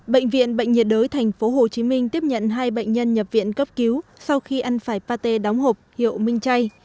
bệnh viện bệnh nhiệt đới tp hcm tiếp nhận hai bệnh nhân nhập viện cấp cứu sau khi ăn phải pate đóng hộp hiệu minh chay